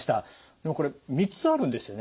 でもこれ３つあるんですよね？